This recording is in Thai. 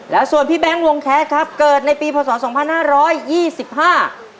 แล้วส่วนพี่แบงค์วงแคสครับเกิดในปีพศสองพันห้าร้อยยี่สิบห้า